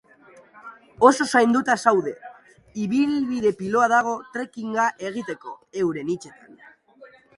Oso zainduta daude, ibilbide piloa dago trekking-a egiteko, euren hitzetan.